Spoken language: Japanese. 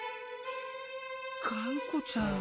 がんこちゃん。